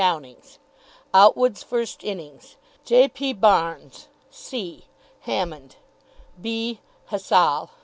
DOWNING'S Outwood's. First innings. J. P. Barnes, c. Hammond, b. Hassall...